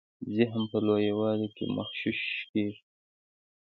ذهن په لویوالي کي مغشوش کیږي.